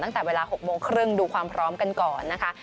ตั้งแต่เวลา๖โมงครึ่งดูความพร้อมกันก่อนนะคะ